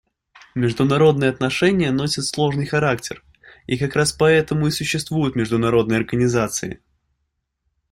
Международные отношения носят сложный характер, и как раз поэтому и существуют международные организации.